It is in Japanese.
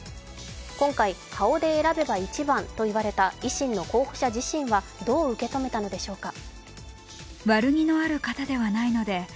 今回、顔で選べば１番といわれた維新の候補者自身はどう受け止めたのでしょうか。